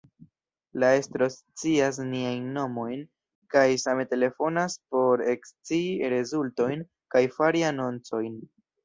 La estro scias niajn nomojn, kaj same telefonas por ekscii rezultojn, kaj fari anoncojn.